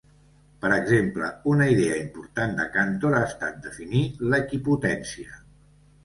Per exemple, una idea important de Cantor ha estat definir l'equipotència.